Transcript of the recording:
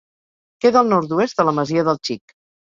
Queda al nord-oest de la Masia del Xic.